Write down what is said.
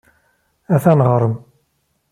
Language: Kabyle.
Atan ɣer-m.